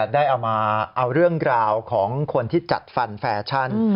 ได้เอามาเอาเรื่องราวของคนที่จัดฟันแฟชั่น